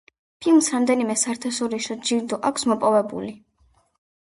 ფილმს რამდენიმე საერთაშორისო ჯილდო აქვს მოპოვებული.